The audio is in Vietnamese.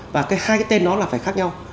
và hai cái tên đó là phải khác nhau